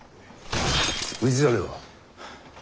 氏真は？